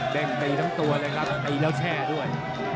แดงใกล้ทั้งตัวเลยครับใกล้แล้วแช่ด้วย